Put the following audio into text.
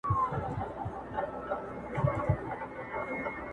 زه د لاسونو د دعا له دايرې وتلی,